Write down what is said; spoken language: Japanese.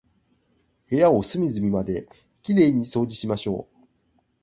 部屋を隅々まで綺麗に掃除しましょう。